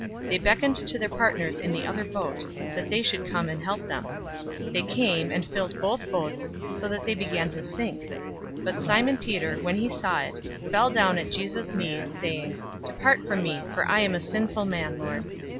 005:007 They beckoned to their partners in the other boat, that they should come and help them. They came, and filled both boats, so that they began to sink. 005:008 But Simon Peter, when he saw it, fell down at Jesus' knees, saying, "Depart from me, for I am a sinful man, Lord."